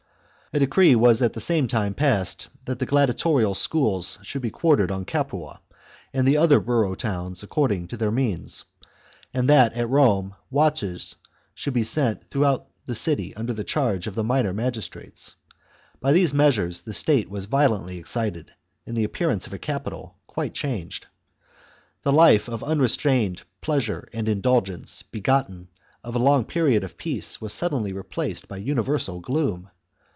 A decree was at the same 26 THE CONSPIRACY OF CATILINE. CHAP, time passed that the gladiatorial schools should be quartered on Capua and the other borough towns according to their means, and that, at Rome, watches should be set throughout the city under the charge CHAP, of the minor mao^istrates. By these measures the XXXI. state was violently excited, and the appearance of the capital quite changed. The life of unre strained pleasure and indulgence begotten of a long period of peace was suddenly replaced by universal gloom.